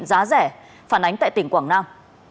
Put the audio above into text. giá rẻ phản ánh tại tỉnh quảng nam